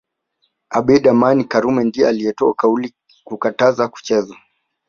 Abeid Amani Karume ndiye aliyetoa kauli kukataza kuchezwa